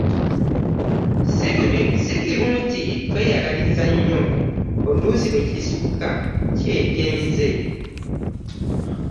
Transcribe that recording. Sinkirungi kweyagaliza nnyo oluusi bwe kisukka kireeta emize.